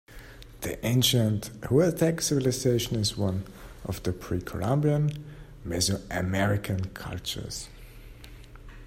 The ancient Huastec civilization is one of the pre-Columbian Mesoamerican cultures.